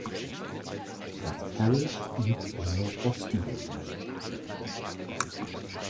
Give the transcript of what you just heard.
Das Parish liegt im Nordosten der Insel.